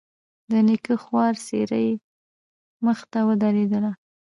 د نيکه خواره څېره يې مخې ته ودرېدله.